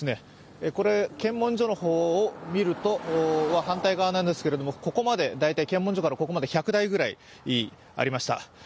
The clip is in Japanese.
検問所の方を見ると反対側なんですけれども、検問所からここまで大体１００台くらいありました。